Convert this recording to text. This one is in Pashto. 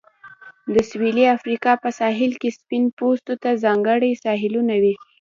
د سویلي افریقا په ساحل کې سپین پوستو ته ځانګړي ساحلونه وې.